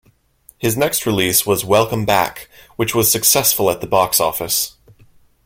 His next release was "Welcome Back", which was successful at the box office.